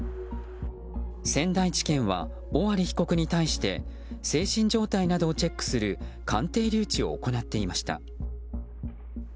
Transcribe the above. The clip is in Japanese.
仙台地検は尾張被告に対して精神状態などをチェックする鑑定留置を行っていました。